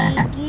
aku harus pergi